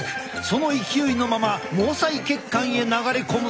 その勢いのまま毛細血管へ流れ込むと。